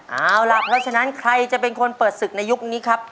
เอาล่ะเพราะฉะนั้นใครจะเป็นคนเปิดศึกในยุคนี้ครับ